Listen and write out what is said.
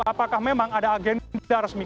apakah memang ada agenda resmi